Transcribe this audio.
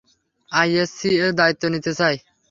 ISC এর দায়িত্ব নিতে চায়।